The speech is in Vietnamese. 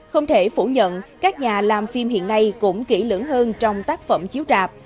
không thể phủ nhận các nhà làm phim hiện nay cũng kỹ lưỡng hơn trong tác phẩm chiếu trạp